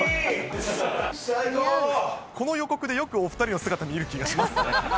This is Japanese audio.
この予告でよくお２人の姿を見る気がします。